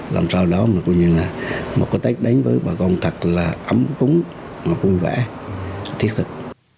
làm sao đó mà có tết đánh với bà con thật là ấm cúng và vui vẻ thiết thực